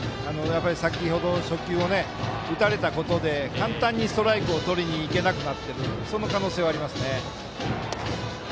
先ほど初球を打たれたことで簡単にストライクをとりにいけなくなってるという可能性はありますね。